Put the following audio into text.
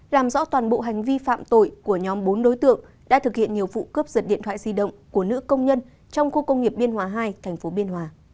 làm rõ toàn bộ hành vi phạm tội của nhóm bốn đối tượng đã thực hiện nhiều vụ cướp giật điện thoại di động của nữ công nhân trong khu công nghiệp biên hòa hai tp biên hòa